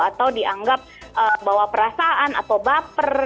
atau dianggap bawa perasaan atau baper